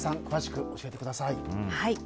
詳しく教えてください。